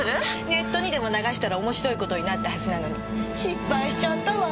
ネットにでも流したら面白い事になったはずなのに失敗しちゃったわ。